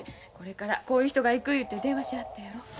これからこういう人が行く言うて電話しはったやろ。